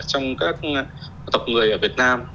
trong các tộc người ở việt nam